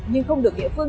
nhưng không được địa phương